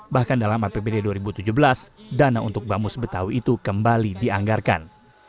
bahkan dalam apbd dua ribu tujuh belas dana untuk bamus betawi itu kembali dianggarkan